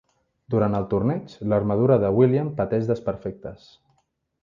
Durant el torneig, l'armadura de William pateix desperfectes.